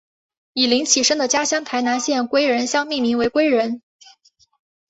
以林启生的家乡台南县归仁乡命名为归仁。